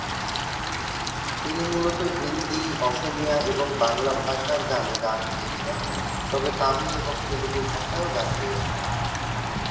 তিনি মূলত হিন্দি, অসমীয়া এবং বাংলা ভাষার গানে গান গেয়েছেন তবে তামিল এবং তেলুগু ভাষায়ও গান গেয়েছেন।